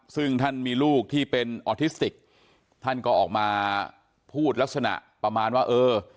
ซึ่งท่านมีลูกที่เป็นออทิสติกท่านก็ออกมาพูดลักษณะประมาณว่าเออ